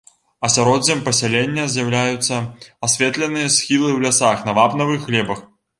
Асяроддзем пасялення з'яўляюцца асветленыя схілы ў лясах на вапнавых глебах.